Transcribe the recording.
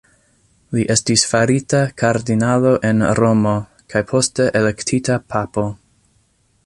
Li estis farita kardinalo en Romo, kaj poste elektita papo.